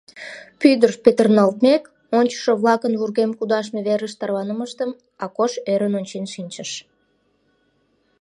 Пӱрдыш петырналтмек, ончышо-влакын вургем кудашме верыш тарванымыштым Акош ӧрын ончен шинчыш.